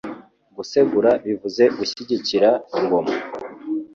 Gusegura bivuze Gushyigikira ingoma